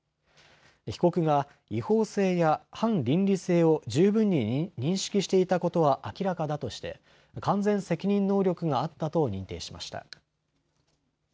被告が違法性や反倫理性を十分に認識していたことは明らかだとして完全責任能力があったと認定しました。